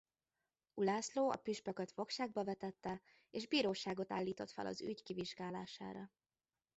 Ulászló a püspököt fogságba vetette és bíróságot állított fel az ügy kivizsgálására.